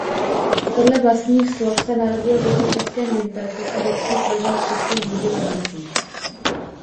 Podle vlastních slov se narodil v jihočeském Vimperku a dětství prožil v Českých Budějovicích.